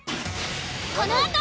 このあと。